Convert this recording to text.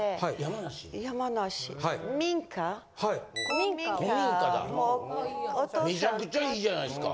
めちゃくちゃ良いじゃないですか。